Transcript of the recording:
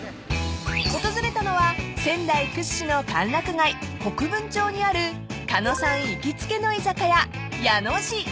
［訪れたのは仙台屈指の歓楽街国分町にある狩野さん行きつけの居酒屋］